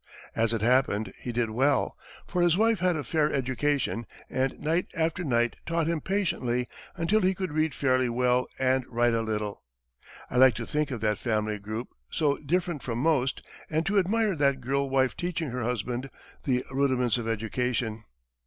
As it happened, he did well, for his wife had a fair education, and night after night taught him patiently, until he could read fairly well and write a little. I like to think of that family group, so different from most, and to admire that girl wife teaching her husband the rudiments of education.